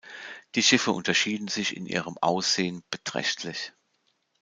Die Schiffe unterschieden sich in ihrem Aussehen beträchtlich.